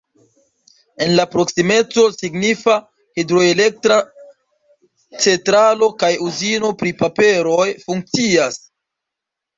En la proksimeco signifa hidroelektra centralo kaj uzino pri paperoj funkcias.